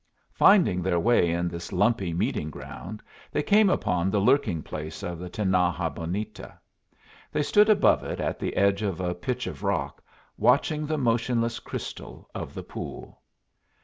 Finding their way in this lumpy meeting ground, they came upon the lurking place of the Tinaja Bonita. They stood above it at the edge of a pitch of rock, watching the motionless crystal of the pool.